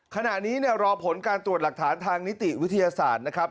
ขณะนี้รอผลการตรวจหลักฐานทางนิติวิทยาศาสตร์นะครับ